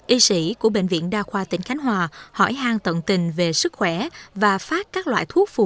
y sĩ của bệnh viện đa khoa tỉnh khánh hòa hỏi hang tận tình về sức khỏe và phát các loại thuốc phù